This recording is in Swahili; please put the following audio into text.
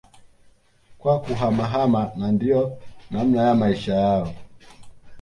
kwa kuhamahama na ndio namna ya Maisha yao